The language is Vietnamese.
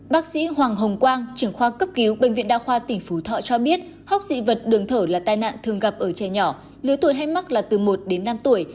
bác sĩ hoàng hồng quang trưởng khoa cấp cứu bệnh viện đa khoa tỉnh phú thọ cho biết hốc dị vật đường thở là tai nạn thường gặp ở trẻ nhỏ lứa tuổi hay mắc là từ một đến năm tuổi